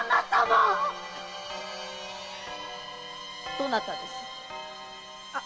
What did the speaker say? どなたです？〕